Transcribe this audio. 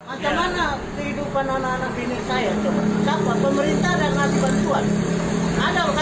bagaimana kehidupan anak anak ini saya